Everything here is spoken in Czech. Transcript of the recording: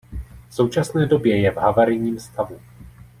V současné době je v havarijním stavu.